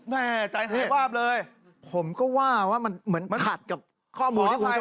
แม่ใจไหววาบเลยผมก็ว่าว่ามันเหมือนขาดกับข้อมูลขออภัย